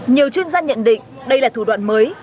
nhiều chuyên gia nhận định đây là thủ đoạn mới